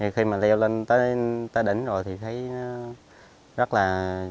khi mà leo lên tới đỉnh rồi thì thấy rất là